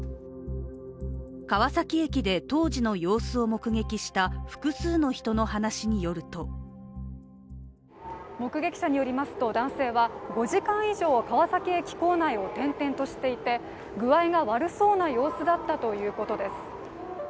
川崎駅で当時の様子を目撃した複数の人の話によると目撃者によりますと男性は、５時間以上川崎駅構内を転々としていて具合が悪そうな様子だったということです。